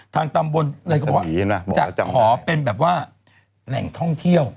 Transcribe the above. ทางตามบนเลยจะขอเป็นแบบว่าแหล่งท่องเที่ยว